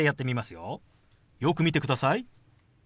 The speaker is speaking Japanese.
よく見てください。